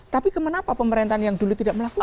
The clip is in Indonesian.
tapi kemana apa pemerintahan yang dulu tidak melakukan